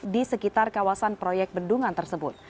di sekitar kawasan proyek bendungan tersebut